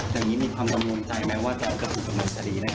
อย่างนี้มีความกังวลใจไหมว่าแกเอากระทุกขุมกังวลจะดีนะครับ